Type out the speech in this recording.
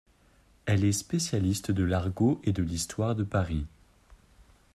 Elle est spécialiste de l'argot et de l'histoire de Paris.